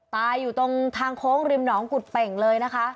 ตายอยู่ตรงทางโค้งริมหนองกุฎเป่งเลยนะคะ